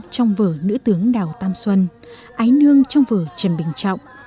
trong vở trần bình trọng